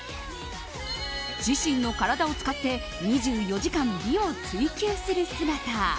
自身の体を使って２４時間美を追究する姿。